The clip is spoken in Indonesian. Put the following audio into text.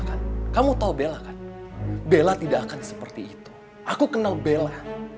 kan kamu tahu bella kan bella tidak akan seperti itu aku kenal bella